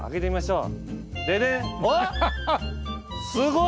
すごい！